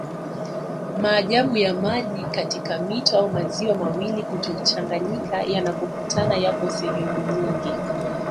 Maajabu ya maji katika mito au maziwa mawili kutochanganyika yanapokutana yapo sehemu nyingi